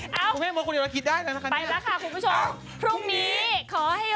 ชอบความเข้าขึ้นเยอะอีกว่าคุณแม่ก่อน